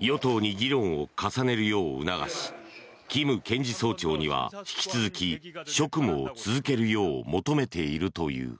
与党に議論を重ねるよう促しキム検事総長には引き続き職務を続けるよう求めているという。